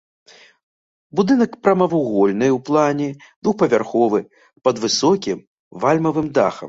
Будынак прамавугольны ў плане, двухпавярховы, пад высокім вальмавым дахам.